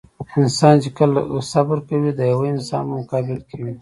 انسان چې کله صبر کوي د يوه انسان په مقابل کې وي.